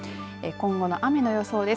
今後の雨の予想です。